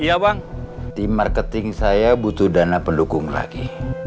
iya bang di marketing saya butuh dana pendukung lagi